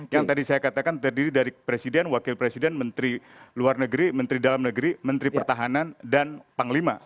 yang tadi saya katakan terdiri dari presiden wakil presiden menteri luar negeri menteri dalam negeri menteri pertahanan dan panglima